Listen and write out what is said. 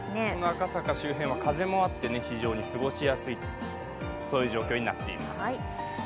赤坂周辺は風もあって、非常に過ごしやすいという状況になっています。